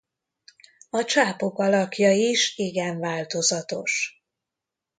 A csápok alakja is igen változatos.